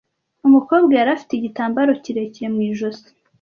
Umukobwa yari afite igitambaro kirekire mu ijosi.